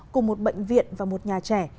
cùng một bệnh viện và một nhà trẻ